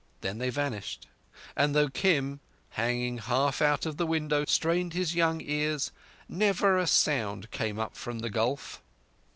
Then they vanished; and, though Kim, hanging half out of the window, strained his young ears, never a sound came up from the gulf.